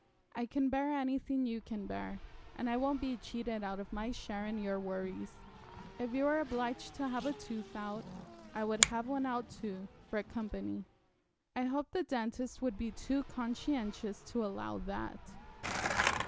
'I can bear anything you can bear, and I won't be cheated out of my share in your worries. If you were obliged to have a tooth out, I would have one out too, for company.' 'I hope the dentist would be too conscientious to allow that.'